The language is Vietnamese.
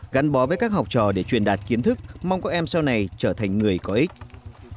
gắn bó với các học trò để truyền đạt kiến thức mong các em sau này trở thành người có ích